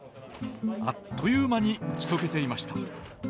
あっという間に打ち解けていました。